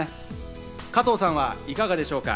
加藤さんはいかがでしょうか？